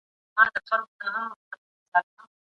ټولنیز عدالت د اسلام شعار دی.